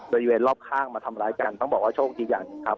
โดยเวียนรอบข้างมาทำร้ายกันต้องบอกว่าโชคดีกันครับ